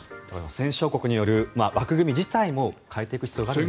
戦勝国による枠組み自体も変えていく必要があると。